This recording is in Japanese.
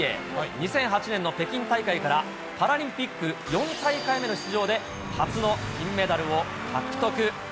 ２００８年の北京大会から、パラリンピック４大会目の出場で初の金メダルを獲得。